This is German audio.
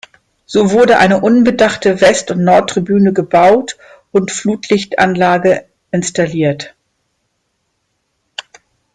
So wurde eine unbedachte West- und Nordtribüne gebaut und Flutlichtanlage installiert.